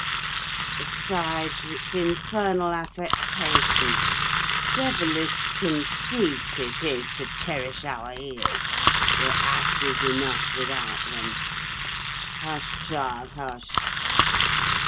Besides, it's infernal affectation—devilish conceit it is, to cherish our ears—we're asses enough without them. Hush, child, hush!